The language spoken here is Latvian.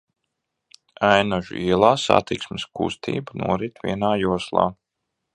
Ainažu ielā satiksmes kustība norit vienā joslā.